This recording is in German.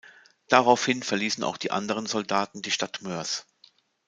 Daraufhin verließen auch die anderen Soldaten die Stadt Moers.